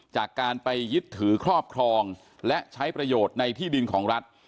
จากการไปยึดถือครอบครองและใช้ประโยชน์ในที่ดินของรัฐ